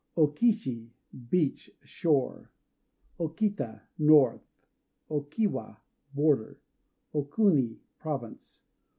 O Kishi "Beach," shore. O Kita "North." O Kiwa "Border." O Kuni "Province."